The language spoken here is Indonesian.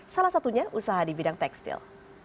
salah satunya usaha di bidang tekstil